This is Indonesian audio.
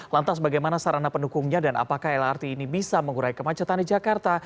lantas bagaimana sarana pendukungnya dan apakah lrt ini bisa mengurai kemacetan di jakarta